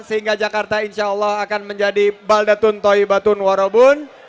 sehingga jakarta insya allah akan menjadi baldatun toyibatun warobun